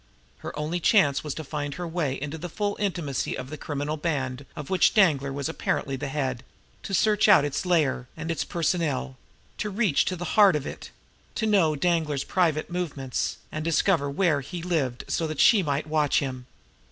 Her only chance was to find her way into the full intimacy of the criminal band of which Danglar was apparently the head; to search out its lair and its personnel; to reach to the heart of it; to know Danglar's private movements, and to discover where he lived so that she might watch him.